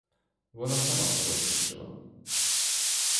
Вона сама сорочки шила.